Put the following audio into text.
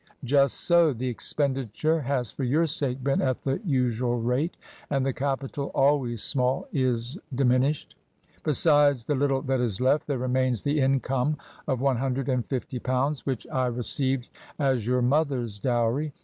" Just so. The expenditure has — for your sake — been at the usual rate, and the capital — always small — is diminished. Besides the little that is left, there remains the income of one hundred and fifty pounds which I re ceived as your mother's dowry.